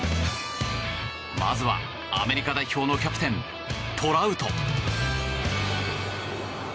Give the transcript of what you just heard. まずはアメリカ代表のキャプテン、トラウト。